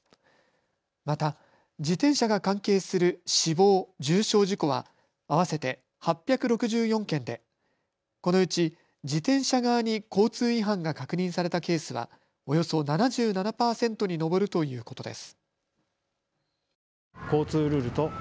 また自転車が関係する死亡・重傷事故は合わせて８６４件でこのうち自転車側に交通違反が確認されたケースはおよそ７７％に上るということです。